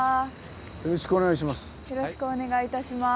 よろしくお願いします。